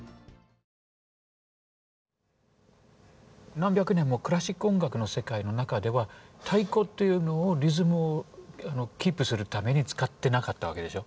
何百年もクラシック音楽の世界の中では太鼓というのをリズムをキープするために使ってなかったわけでしょ。